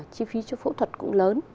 chi phí cho phẫu thuật cũng lớn